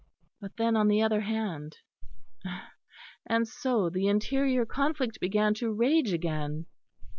But then, on the other hand and so the interior conflict began to rage again.